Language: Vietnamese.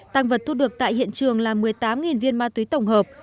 tăng vật thu được tại hiện trường là một mươi tám viên ma túy tổng hợp